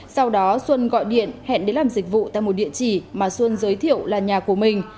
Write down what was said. sau đó xuân gọi điện hẹn đến làm dịch vụ tại một địa chỉ mà xuân giới thiệu là nhà của mình